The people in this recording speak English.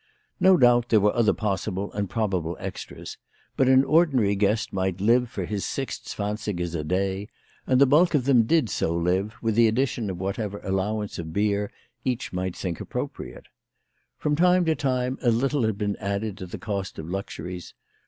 No doubt there were other possible and probable extras ; but an ordinary guest might live for his six zwansigers a day ; and the bulk of them did so live, with the addition of whatever allowance of beer each might think appropriate. From time to time a little had been added to the cost of luxuries.